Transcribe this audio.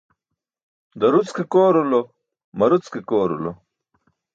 Daruc ke koorulo, maruć ke koorulo.